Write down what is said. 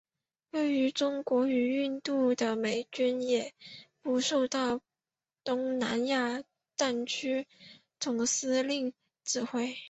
而位于中国与印度的美军也不受到东南亚战区总司令指挥。